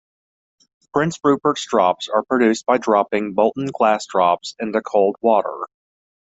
Prince Rupert's drops are produced by dropping molten glass drops into cold water.